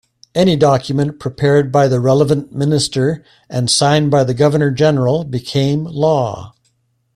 Any document prepared by the relevant Minister and signed by the Governor-General became law.